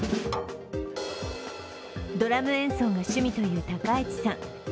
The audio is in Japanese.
ドラム演奏が趣味という高市さん。